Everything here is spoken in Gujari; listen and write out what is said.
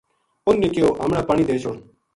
اُنھ نے کہیو:” ہمنا پانی دے چھڑ